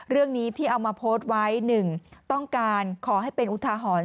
เรื่องนี้ที่เอามาโพสต์ไว้๑ต้องการขอให้เป็นอุทาหรณ์